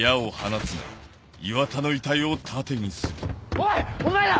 おいお前ら！